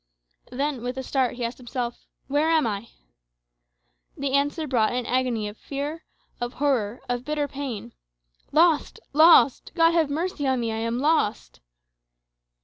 Then, with a start, he asked himself, "Where am I?" The answer brought an agony of fear, of horror, of bitter pain. "Lost! lost! God have mercy on me! I am lost!"